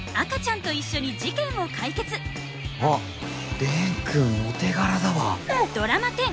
あっ蓮くんお手柄だわ。